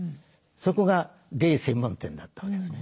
そこがゲイ専門店だったわけですね。